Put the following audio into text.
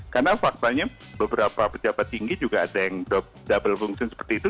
karena faktanya beberapa pejabat tinggi juga ada yang double function seperti itu